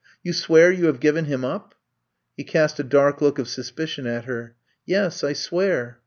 You swear you have given him up!" He cast a dark look of suspicion at her. *'Yes, I swear."